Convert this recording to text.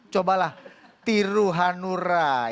cobalah tiru hanur rencana